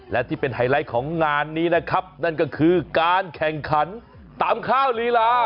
และที่เป็นไฮไลท์ของงานนี้นะครับนั่นก็คือการแข่งขันตามข้าวลีลา